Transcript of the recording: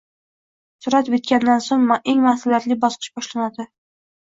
Surat bitganidan so‘ng eng mas’uliyatli bosqich boshlanadi.